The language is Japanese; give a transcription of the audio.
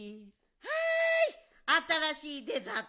はいあたらしいデザート。